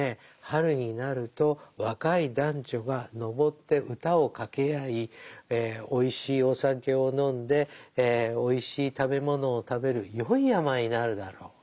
春になると若い男女が登って歌を掛け合いおいしいお酒を飲んでおいしい食べ物を食べるよい山になるだろう。